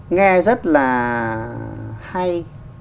nghe rất là hay